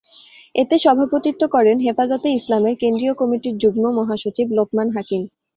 এতে সভাপতিত্ব করেন হেফাজতে ইসলামের কেন্দ্রীয় কমিটির যুগ্ম মহাসচিব লোকমান হাকিম।